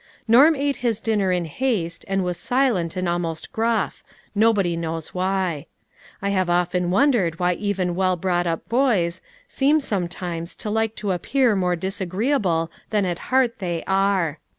Norm ate his dinner in haste, and was silent and almost gruff ; nobody knows why. I have often wondered why even well brought up boys, seem sometimes to like to appear more disagree able than at heart they are.